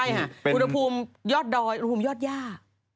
ใช่ค่ะอุณหภูมิยอดดอยอุณหภูมิยอดย่า